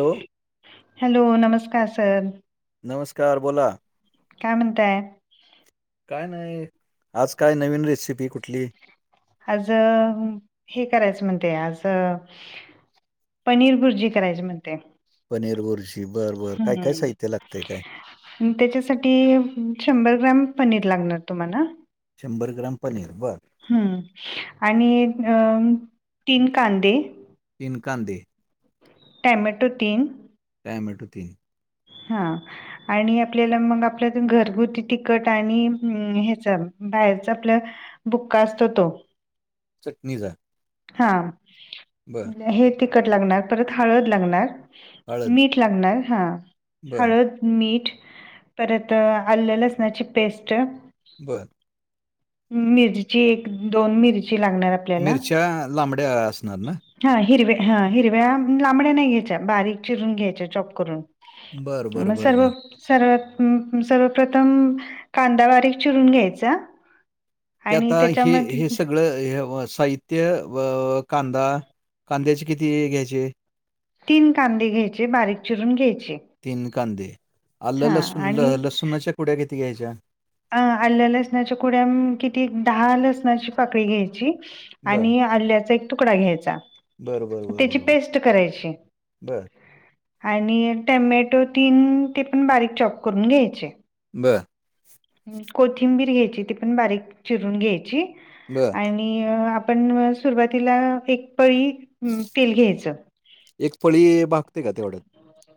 Hello! Hello! नमस्कार! Sir. नमस्कार! बोला. काय म्हणताय? काय नाही आज काय नवीन रेसिपी कुठली. आज हे करायचं म्हणते आज पनीर भुर्जी करायची म्हणते. पनीर बुर्जी बर बर, काय काय हं. साहित्य लागतंय काय? त्याच्यासाठी शंभर ग्राम पनीर लागणार तुम्हाला. शंभर ग्राम पनीर बरं. हम् आणि अ तीन कांदे. तीन कांदे. टोमॅटो तीन. टोमॅटो तीन. हा. आणि आपल्याला मग आपलं घरगुती तिकट आणि ह्याच बाहेरच आपलं बुक्का असतो तो. चटणीचा? हा, बर हे तिखट लागणार, परत हळद लागणार, हळद मीट लागणार हा बर हळद मीठ परत आलं लसणाची पेस्ट. बरं! मिरची एक दोन मिरची लागणार आ मिरच्या लांबड्या असणार ना. हा हिरव्या हा हिरव्या लांबड्या नाही घ्यायच्या बारीक चिरून घ्यायच्या चॉप करून. बर बर म बर सर्व बर सर्वात-सर्वप्रथम कांदा बारीक चिरून घ्यायचा. आणि त्यात आणखी त्याच्यामध्ये हे सगळं हे साहि त्य व कांदा, कांद्याचे किती हे घ्यायचे. तीन कांदे घ्यायचे बारीक चिरून घ्यायचे. तीन कांदे आल हा लसुन, आणि ल-लसुणाच्या कुड्या किती घ्यायच्या? अ आल लसणाच्या कुड्या मं किती दहा लसणाची पाकळी घ्यायची. बर आणि आल्याचा एक तुकडा घ्यायचा बर बर बर त्याची बर बर पेस्ट करायची. बर आणि टमॅटो तीन ते पण बारीक चॉप करून घ्यायचे. बर! कोथिंबीर घ्यायची ती पण बारीक चिरून घ्यायची बरं. आणि आणि आपण सुरुवातीला एक पळी तेल घ्यायचं. एक पळी भागते का तेवढ्यात.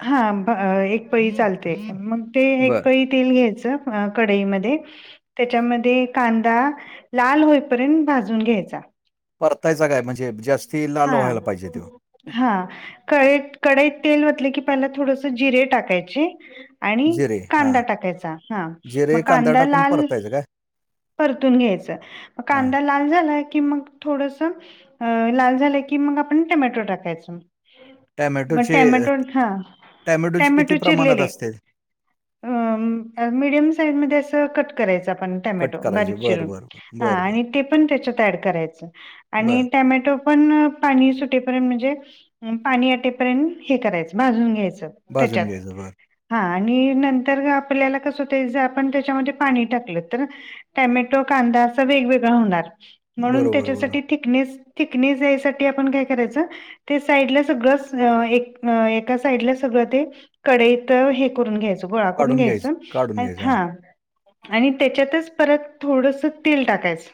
हा भ एक पळी चालते मंग ते एक बरं. पळी तेल घ्यायचं अ कडईमध्ये. त्याच्यामध्ये कांदा लाल होईपर्यंत भाजून घ्यायचा. परतायचा काय म्हणजे जास्त हा! हा क-कडईत तेल ओतलं की पहिला थोडस जिरे टाकायचे. आणि जिरे हां. कांदा टाकायचा हा जिरे, मग कांदा टाकून लाल परतायचं काय? परतून घ्यायचा म हां. कांदा लाल झाला की मग थोडस अ लाल झाला की मग आपण टमॅटो टाकायच. म टोमॅटोचे टॅमॅटो हा टोमॅटोचे किती टॅमॅटो प्रमाणात चिरलेले. असते? अ मीडियम साईजमध्ये असं कट करायचं आपण. टमॅटो कट करायचे. बारीक चिरून बरं, बरं, बरं. बरं, बरं. ह ते पण त्याच्यात एड करायच आणि बरं. टमॅटो पण पाणी सुटेपर्यंत म्हणजे पाणी आटेपर्यंत हे करायचं भाजून घ्यायचं. भाजून घ्यायचं बर. हा आणि नंतर आपल्याला कसं होत ज आपण त्याच्यामध्ये पाणी टाकलं तर. टमॅटो कांदा अस वेगवेगळ होणार म्हणून बरोबर, बरोबर. त्यासाठी थिकनेस-थिक. कीनेस जायसाठी आपण काय करायचं? ते साईडला सगळं स एक अ एका साईडला सगळं ते. कडई त हे करून घ्यायचं गोळा करून काढून घ्यायचं काढून घ्यायचं. हां. हा. आणि त्याच्यातच परत थोडस तेल टाकायच.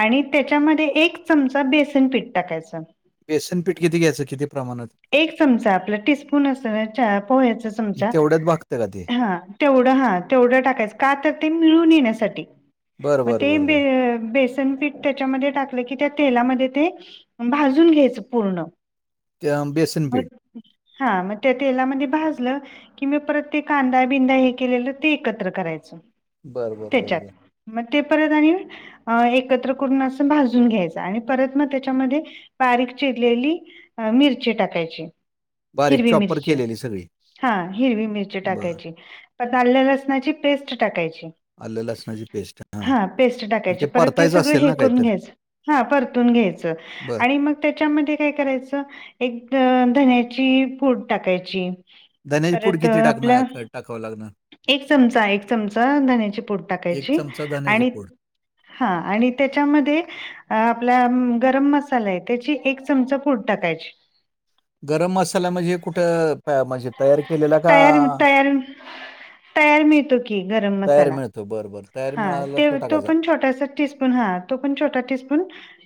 आणि त्याच्यामध्ये एक चमचा बेसन पीठ टाकायचं. बेसनपीठ किती घ्यायचं किती प्रमाणात. एक चमचा आपला टीस्पून असत ना चा पोह्याचा चमचा तेवढ्यात भागतं का ते? हा. तेवढं हा तेवढं टाकायचं का तर ते मिळून येण्यासाठी. बरं, म बरं, ते बरं, बरं. बे-बेसन पीठ त्याच्यामध्ये टाकलं की त्या तेलामध्ये. ते भाजून घ्यायच पूर्ण त्या बेसन म. पीठ. हा म त्या तेलामध्ये भाजलं कि म परत ते कांदा बिंदा हे केलेलं ते एकत्र करायचं. बरं बर बर त्याच्यात बर. मग ते परत आणि एकत्र करून असं भाजून घ्यायच आणि परत. मग त्याच्यामध्ये बारीक चिरलेली मिरची टाकायची. बारीक हिरवी चॉपर मिरची केलेली सगळी. हा हिरवी मिरची बरं. टाकायची. परत लसणाची पेस्ट टाकायची. आलं लसणाची पेस्ट. हां. हा [inaudible] आणि टाका परत ते परतायचं सगळ असेल हे ना [inaudible] करून काहीतरी घ्या. [unintelligible] बरं आणि मग त्याच्यामध्ये काय करायचं एक धन्याची पोड टाकायची. धनेजपूड किती टाकण टाकावं लागणार. एक चमचा एक चमचा धनची पोड एक टाकायची चमचा धन्याची आणि. पूड हा आणि त्याच्यामध्ये. आपल्या गरम मसाला आहे त्याची एक चमचा पुड टाकायची. गरम मसाला म्हणजे कुठं म्हणजे. तयार केलेला. का तयार तयार तयार मिळतो की. गरम मसाला. तयार मिळतो बरं बरं. तयार हा मिळाला ते तो टाकायचा पण छोटासा [inaudible] हा तो पण छोटा. [inaudible]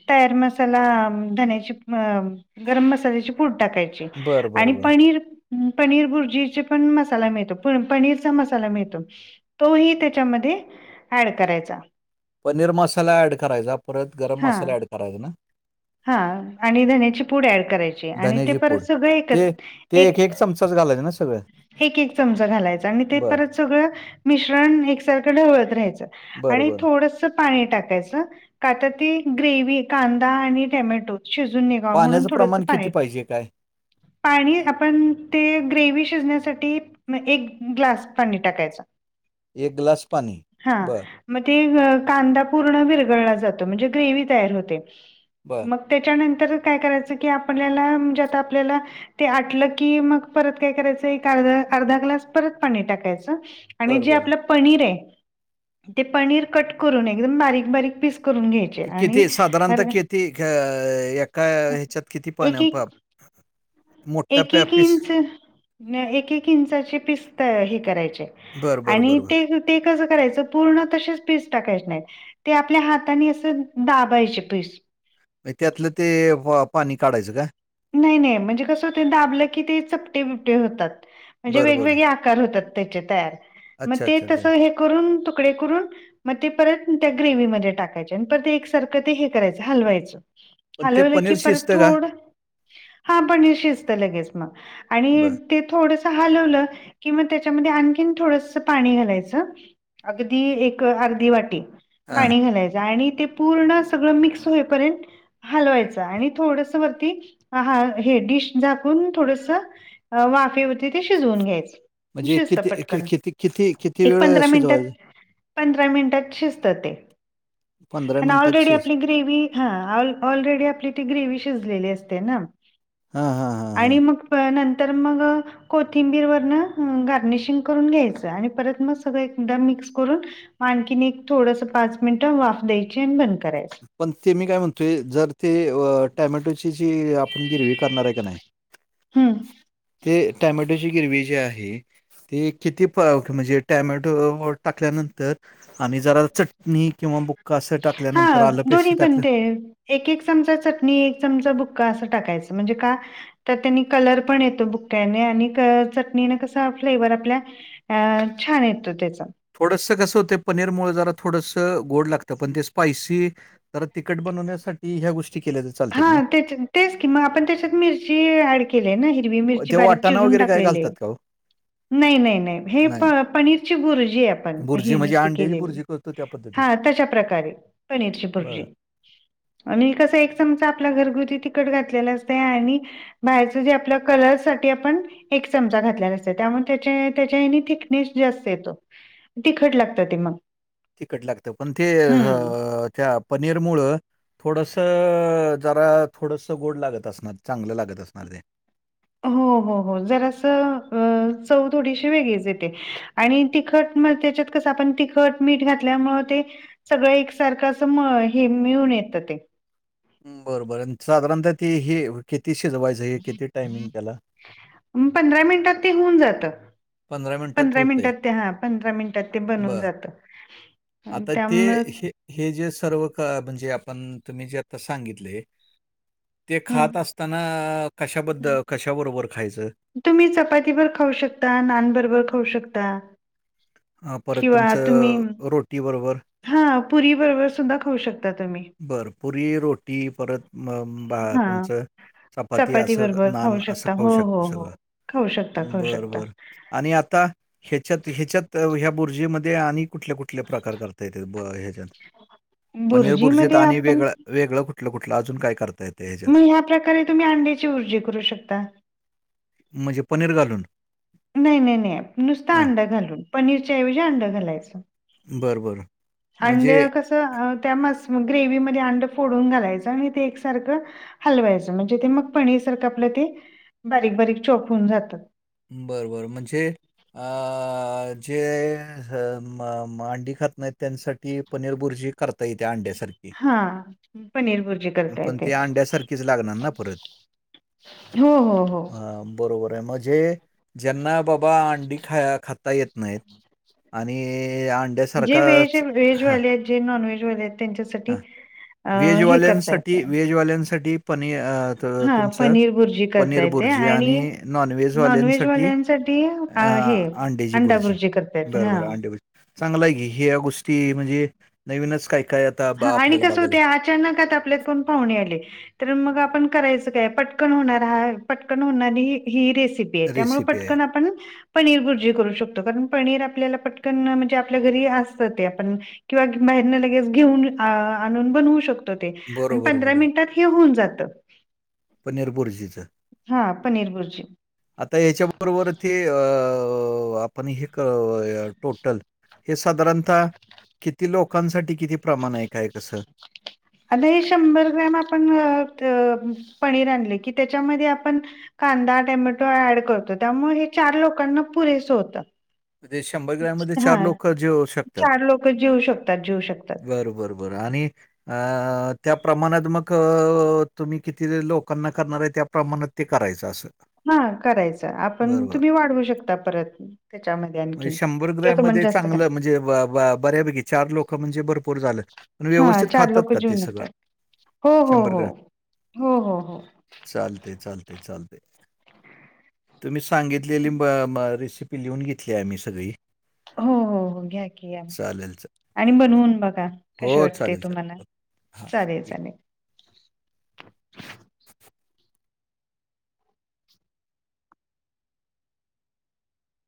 तयार मसाला धन्याची गरम मसाल्याची पूड टाकायची. बरं आणि बरं बरं पनीर. पनीर भुर्जीचे पण मसाला मिळतो पनीरचा मसाला मिळतो. तो ही त्याच्यामध्ये ऍड करायचा. पनीर मसाला ऍड करायचा परत गरम हा मसाला ऍड करायचा ना. हा आणि धन्याची पूड ऍड करायची आणि ते धन्याची परत पूड सगळ ते एकत एक. ते एक एक चमचाच घालायच ना सगळं. एक एक चमचा घालायचा आणि ते बरं परत. सगळं मिश्रण एकसारखं ढवळ राहायचं बरं आणि बरं थोडंसं पाणी टाकायच [inaudible] ती ग्रेव्ही कांदा आणि टमॅटो. शिजून निघाव म्हणून पाण्याचं थोडंस प्रमाण किती पाणी. पाहिजे काय पाणी आपण ते ग्रेवी शिजण्यासाठी. मग एक ग्लास पाणी टाकायच. एक ग्लास पाणी बरं. मग ते कांदा पूर्ण विरगळला जातो म्हणजे ग्रेवही तयार होते. बरं मग त्याच्यानंतर काय करायचं की आपल्याला म्हणजे आता आपल्याला. ते आटलं की मग परत काय करायचं एक अर् अर्धा ग्लास परत पाणी टाकायचं. आणि बरं जे बरं आपलं पनीर आहे ते पनीर कट करून एकदम बारीक बारीक पीस करून घ्याच. किती साधारणतः किती एका ह्याच्यात किती पण. एक [inaudible] एक एक एक इंच. एक एक इंचाची पिस हे करायचे बरं, बरं, आणि बरं, बरं. ते. ते कसं करायचं पूर्ण तसेच पीस टाकायचे नाहीत. ते आपल्या हाताने असं दाबायचे पिस. त्यातलं ते पाणी काढायचं का. नाही नाही म्हणजे कसं ते दाबलं की ते चपटे बिपटे होतात म्हणजे बरं, बरं. वेगवेगळे. [inaudible] आकार होतात त्याचे तयार मग अच्छा, ते अच्छा, तस अच्छा. हे करून तुकडे करून. मग ते परत त्या ग्रेव्हीमध्ये टाकायचे आणि परत एकसारखं ते हे करायचं हलवायचं. पण ते हलवलं की पनीर परत शिजतं का? थोडं हा पनीर शिजत लगेच मग बरं. आणि थोडस हलवलं कि म त्याच्यामध्ये आणखी थोड पाणी घालायचं अगदी एक अर्धी वाटी हां. पाणी घालायचं आणि ते पूर्ण सगळं मिक्स होईपर्यंत हलवायचं आणि थोडस वरती हा हे डिश झाकून थोडस वाफे वरती ते शिजवून घ्यायचं म्हणजे शिजतं किती कि पटकन किती किती किती एक वेळ अ, पंधरा मिनिटात शिजवायचं? पंधरा मिनिटात शिजत ते कारण मिनिटात ऑलरेडी शिज आपली ग्रेवी हा ऑलरेडी आपली ती ग्रेवी शिजलेली असते ना हा हा हा आणि मग नंतर मग कोथिंबीर वरन गार्निशिंग करून घ्यायचं आणि परत मग सगळं एकदा मिक्स करून आणखीने एक थोडस पाच मिनिटं वाफ द्यायची आणि बंद करायच. पण ते मी काय म्हणतोय जर ते टमॅटोची जी आपण ग्रेव्ही करणार आहे का नाही हम्म. ते टॅमॅटोची ग्रेव्ही जी आहे ते किती प म्हणजे टॅमॅटो टाकल्यानंतर आणि जरा चंटणी किंवा बुक्का असं टाकल्यानंतर हा आलं पेस्ट दोन्ही पण टाकलं ते एक-एक चमचा चटणी एक चमचा भुका असं टाकायचं म्हणजे का तर त्यांनी कलर पण येतो बुक्याने आणि चटणीने कस फ्लेवर आपल्या अ छान येतो त्याचा थोडसं कसं होत पनीरमुळे जरा थोडसं गोड लागतं पण ते स्पायसी तर तिकखट बनवण्यासाठी ह्या गोष्टी केल्या जात हा तेच कि मग आपण त्याच्यात मिरची ऍड केली ना ि मिरची ते बारीक वाटाणा चिरून वगैरे काय टाकलेली. घालतात का हो नाही नाही नाही हे प पनीरची भूरजी आहे आपण बुर्जी ही म्हणजे नुसती अंड्याची केलेली. बुर्जी करतो त्या पद्धतीत हा तशा प्रकारे पनीरची बर भुर्जी आणि कस एक चमचा आपल घरगुती तिकट घातलेला असत आणि बाहेरच जे आपल्या कलर साठी आपण एक चमचा घातलेला असतं त्यामुळे त्या त्याच्या हनी थिकनेस जास्त येतो तिखट लागतं ते मग तिकट लागत पण ते हं. अ त्या पनीर मुळ थोडस जरा थोडस गोड लागत असणार चांगलं लागत असणार ते हो हो हो जरा अस चव थोडीशी वेगळीच येते आणि तिखट मग त्याच्यात कसं आपण तिखट मीठ घातल्यामु ते सगळं एकसारखं असं हे मिळून येतं ते बरबर साधारणत त हे किती शिजवायचं हे किती टायमिंग त्याला पंधरा मिनिटात ते होऊन जातं पंधरा मिनिटात ते हा पंधरा मिनिटात ते बनून बरं. जात आनी आता ते त्यामुळे हे हे जे सर्व का म्हणजे आपण तुम्ही जे आता सांगितले ते हं खात असताना कशाबद्दल कशाबरोबर खायचं तुम्ही चपाती बरोबर खाऊ शकता नान बरोबर खाऊ शकता. हा परत किंवा तुम्ही तुमचं रोटी बरोबर हा पुरी बरोबर सुद्धा खाऊ शकता तुम्ही. बरं पुरी रोटी परत बा हा तुमचं चपाती असं बरोबर खाऊ नान असं शकता. खाऊ हो शकत हो हो सगळं. खाऊ शकता खाऊ बर, शकता. बर. आणि आता, हेच्यात, हेच्यात. तर ह्या बुर्जीमध्ये आणि कुठल्या, कुठल्या प्रकार करता येते हेज्यात? पनीर बुर्जीत बुर्जीमध्ये आणि आपण वेगळं, वेगळं कुठलं -कुठलं अजून काय करता येत? म ह्या प्रकारे तुम्ही अंड्याची बुर्जी करू शकता. म्हणजे पनीर घालून? नाही, नाही, नाही नुसत हां. अंड घालून, पनीरच्या ऐवजी अंड घालायचं. बरं, बरं. अंड म्हणजे कसं त्या मस् ग्रेवमध्ये अंड फोडून घालायचं आणि ते एकसारखं हलवायचं, म्हणजे ते मग पनीर सारखं आपलं ते बारीक- बारीक चोक होऊन जातात. बरं, बर म्हणजे अ, जे अंडी खात नाहीत त्यांच्यासाठी पनीर बुर्जी करता येते अंड्यासारखी, हा पनीर भुर्जी करता पण येते. ते अंड्यासारखीच लागणार ना परत. हो, हो, हो. अ, बरोबर हाय, म, जे ज्यांना बाबा अंडी खाया, खाता येत नाहीत. आणि आणं जे व्हेज, व्हेजवाले आहेत, जे नॉन व्हेजवाले आहेत. ह, त्यांच्यासाठी अ व्हेज हे करता वाल्यांसाठी, येतय व्हेज वाल्यांसाठी पनी अ, हा तुमचं, पनीर भुर्जी करता पनीर येते बुर्जी आणि नॉन व्हेजवाल्यांसाठी नॉनव्हेजवाल्यांसाठी अ, हे अंड्याची अंडा बुर्जी, भुर्जी करता येते हा. बरोबर हाय अंडा बुर्जी. चांगलं आहे की, हिया गोष्टी म्हणजे नवीनच काय -काय ह, आणि कसं होतय अचानक आपल्यात कोण पाहुणे आले. तर मग आपण करायचं काय, पटकन होणार हा, पटकन होणारी ही रेसिपी त्यामुळे रेसिपी आहे. पटकन आपण पनीर भुर्जी करू शकतो, कारण पनीर आपल्याला पटकन म्हणजे आपल्या घरी असतं ते आपण किवा बाहेरने लगेच घेऊन आणून बनवू शकतो ते, बरोबर, पंधरा बरोबर. मिनिटात हे होऊन जात. पनीर बुर्जीचं. हा, पनीर बुर्जी. आता हेच्याबरोबर ते अ, आपण हे, क टोटल. हे साधारणता किती लोकांसाठी किती प्रमाण आहे, काय कसं? आता हे शंभर ग्रॅम आपण पनीर आणले, की त्याच्यामध्ये आपण कांदा, टमॅटो ऍड करतो, त्यामुळे हे चार लोकांना पुरेस होतं. म्हणजे ग्रॅममध्ये हा, लोकं जेवू शकतात. चार लोक जेवू शकतात, जेवू शकतात. बरं बरं बरं आणि अ, त्या प्रमाणात मक, तुम्ही किती लोकांना करणार आहे त्या प्रमाणात ते करायचं असं. हा करायच, आपण बरं बरं. तुम्ही वाढवू शकता, परत त्याच्यामध्ये आणि म्हणजे शंभर ग्रमध्ये चांगलं म्हणजे, बा, ब, बऱ्यापैकी चार लोक म्हणजे भरपूर झालं. पण हा व्यवस्थित चार खातात लोक का ते जेवून सगळं उठतात, हो, हो, हो, हो, हो, हो. चालतय, चालतय, चालतय. तुम्ही सांगितलेली ब, ब रेसिपी ती लिहून घेतली आम्ही सगळी. हो, हो, हो घ्या की घ्या. चालेल, च आणि बनवून बघा, कशी वाटते तुम्हाला. चालेल. हां. चालेल, चालेल.